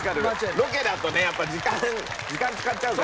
ロケだとねやっぱ時間使っちゃうから。